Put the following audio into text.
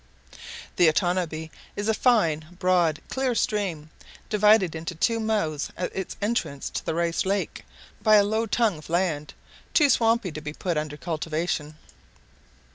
The Otanabee is a fine broad, clear stream, divided into two mouths at its entrance to the Rice Lake by a low tongue of land, too swampy to be put under cultivation.